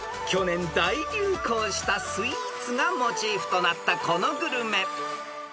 ［去年大流行したスイーツがモチーフとなったこのグルメ］